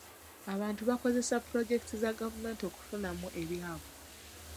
Abantu bakozesa pulojekiti za gavumenti okufunamu ebyabwe.